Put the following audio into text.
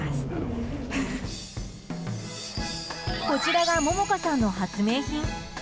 こちらが杏果さんの発明品。